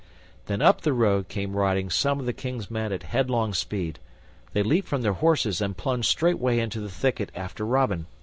Then up the road came riding some of the King's men at headlong speed. They leaped from their horses and plunged straightway into the thicket after Robin.